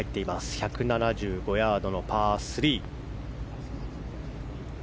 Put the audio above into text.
１７５ヤードのパー３。